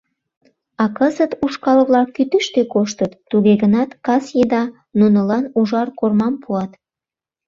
А кызыт ушкал-влак кӱтӱштӧ коштыт, туге гынат, кас еда нунылан ужар кормам пуат.